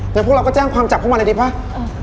เดี๋ยวพวกเราก็แจ้งความจับพวกมันเลยดีป่ะเออ